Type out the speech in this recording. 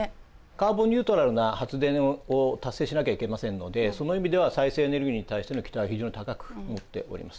カーボンニュートラルな発電を達成しなきゃいけませんのでその意味では再生エネルギーに対しての期待は非常に高く思っております。